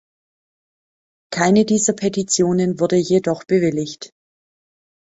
Keine dieser Petitionen wurde jedoch bewilligt.